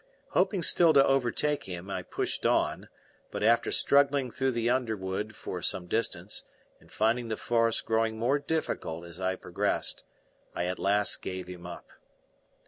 Hoping still to overtake him, I pushed on, but after struggling through the underwood for some distance, and finding the forest growing more difficult as I progressed, I at last gave him up.